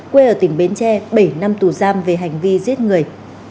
quê ở tỉnh bến tre bảy năm tù giam về hành vi giết người